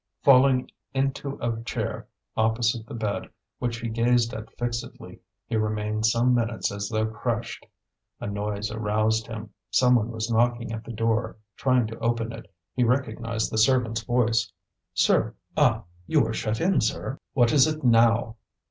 Falling into a chair opposite the bed, which he gazed at fixedly, he remained some minutes as though crushed. A noise aroused him; someone was knocking at the door, trying to open it. He recognized the servant's voice. "Sir Ah! you are shut in, sir." "What is it now?"